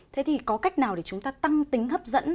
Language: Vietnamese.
thế thì có cách nào để chúng ta tăng tính hấp dẫn